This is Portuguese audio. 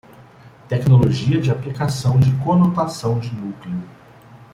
Tecnologia de aplicação de conotação de núcleo